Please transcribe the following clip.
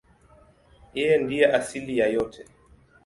Yeye ndiye asili ya yote.